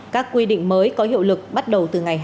các quy định mới có hiệu lực bắt đầu từ ngày hai mươi tám tháng hai